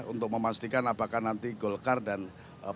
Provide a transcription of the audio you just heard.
untuk memastikan apakah nanti golkar dan pak jokowi